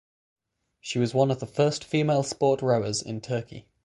She was one of the first female sport rowers in Turkey.